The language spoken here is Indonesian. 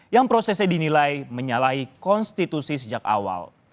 yang prosesnya dinilai menyalahi konstitusi sejak awal